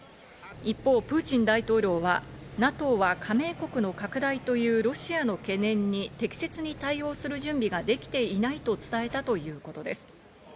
一方、プーチン大統領はＮＡＴＯは加盟国の拡大というロシアの懸念に適切に対応する準備ができていないと伝えたということです。